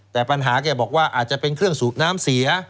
แต่ปัญหาแกบอกว่าอาจจะเป็นเครื่องสูบน้ำเสีย